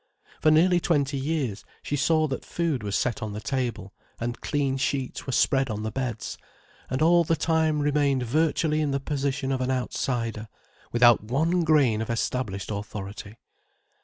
For nearly twenty years she saw that food was set on the table, and clean sheets were spread on the beds: and all the time remained virtually in the position of an outsider, without one grain of established authority.